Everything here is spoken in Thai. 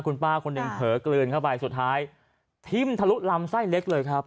คุณป้าคนหนึ่งเผลอกลืนเข้าไปสุดท้ายทิ้มทะลุลำไส้เล็กเลยครับ